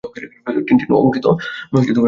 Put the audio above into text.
টিনটিন-অঙ্কিত মুদ্রা